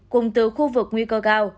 cùng từ khu vực nguy cơ cao